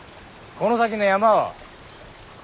この先の山は。